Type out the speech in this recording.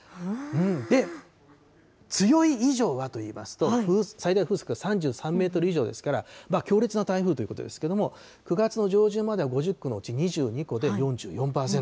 で、強い以上はといいますと、最大風速が３３メートル以上ですから、強烈な台風ということですけれども、９月の上旬までは５０個のうち２２個で４４％。